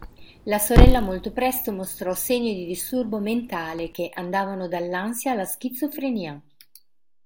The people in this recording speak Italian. La sorella molto presto mostrò segni di disturbo mentale, che andavano dall'ansia alla schizofrenia.